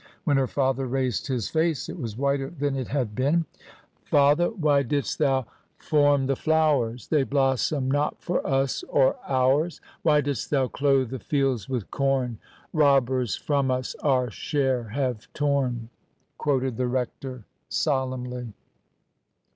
When her father raised his face it was whiter than it had been. Father y why didst Thou form the flowers f They blossom not for us^ or ours : Why didst Thou clothe the fields with com f Robbers from us our share have torn^ " quoted the rector, solemnly.